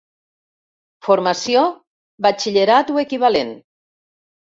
Formació: batxillerat o equivalent.